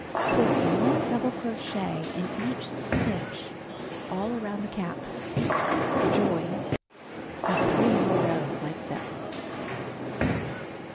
Put 1 double crochet in each stitch all around the cap. Join. Make 3 more rows like this.